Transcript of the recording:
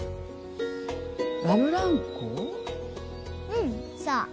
うんそう。